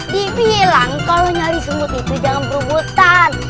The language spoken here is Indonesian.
dibilang kalau nyari semut itu jangan berebutan